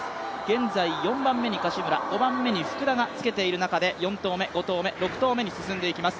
現在４番目に樫村、５番目に福田がつけている中で、４投目、５投目、６投目に進んでいきます。